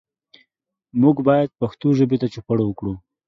موږ باید پښتو ژبې ته چوپړ وکړو.